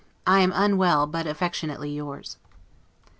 I am UNWELL, but affectionately yours.